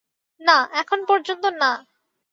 না, এখন পর্যন্ত না।